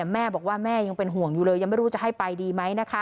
แม่บอกว่าแม่ยังเป็นห่วงอยู่เลยยังไม่รู้จะให้ไปดีไหม